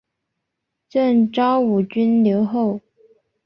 赠昭武军留后。